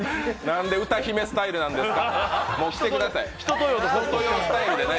なんで歌姫スタイルなんですか？